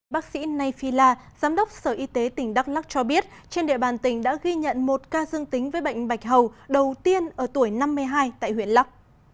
bác sĩ nay phi la giám đốc sở y tế tỉnh đắk lắc cho biết trên địa bàn tỉnh đã ghi nhận một ca dương tính với bệnh bạch hầu đầu tiên ở tuổi năm mươi hai tại huyện lắc